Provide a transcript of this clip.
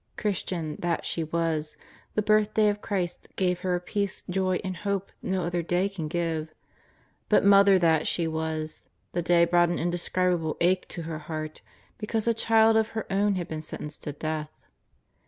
Christian that she was, the Birthday of Christ gave her a peace, joy, and hope no other day can give; but mother that she was, the day brought an indescribable ache to her heart because a child of her own had been sentenced to death.